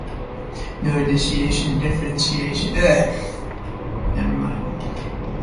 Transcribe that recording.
No additional differentiation is needed anywhere in this construction.